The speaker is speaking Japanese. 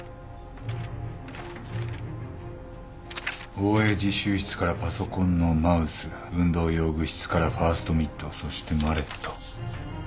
ＯＡ実習室からパソコンのマウス運動用具室からファーストミットそしてマレット。